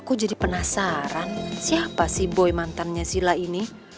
aku jadi penasaran siapa sih boy mantannya sila ini